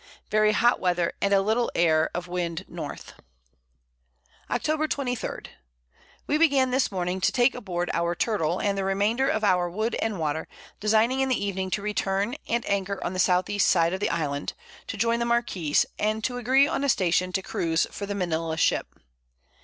Very hot Weather, and a little Air of Wind North. Octob. 23. We began this Morning to take aboard our Turtle, and the Remainder of our Wood and Water, designing in the Evening to return, and anchor on the S. E. Side of the Island, to join the Marquiss, and agree on a Station to cruize for the Manila Ship.